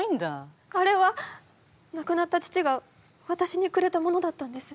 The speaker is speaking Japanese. あれはなくなった父がわたしにくれたものだったんです。